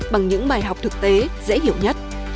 bằng những bài học thực tế dễ hiểu nhất